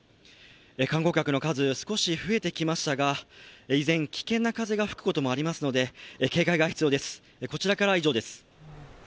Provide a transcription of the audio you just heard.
観光客の数、少し増えてきましたが、依然、危険な風が吹くこともありますので警戒が必要です。